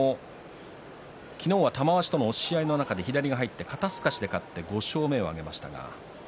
昨日は玉鷲との押し合いで肩すかしで勝って５勝目を挙げました。